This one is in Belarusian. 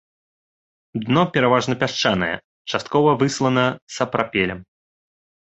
Дно пераважна пясчанае, часткова выслана сапрапелем.